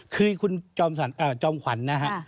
คือคุณจอมขวัญนะฮะ